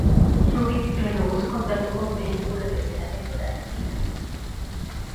Rubik renovó su contrato con Fendi para la tercera temporada en fila.